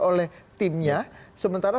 oleh timnya sementara